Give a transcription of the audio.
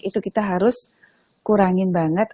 itu kita harus kurangin banget